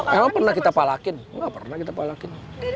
memang pernah kita palakin gak pernah kita palakin